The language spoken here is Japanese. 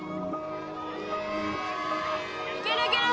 いけるいける！